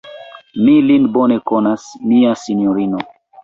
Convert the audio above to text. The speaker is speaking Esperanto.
Mi lin bone konas, mia sinjorino.